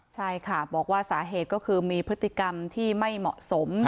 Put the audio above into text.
ใช่ค่ะบอกว่าสาเหตุก็คือมีพฤติกรรมที่ไม่เหมาะสม